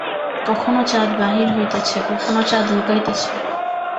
কখনো চাঁদ বাহির হইতেছে, কখনো চাঁদ লুকাইতেছে।